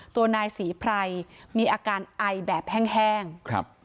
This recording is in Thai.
ตัวนายศรีไพรมีอาการไอแบบแห้งแห้งครับ